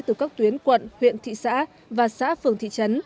từ các tuyến quận huyện thị xã và xã phường thị trấn